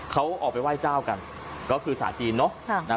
เขาออกไปไหว้เจ้ากันก็คือสายจีนเนาะ